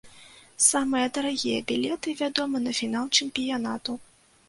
Самыя дарагія білеты, вядома, на фінал чэмпіянату.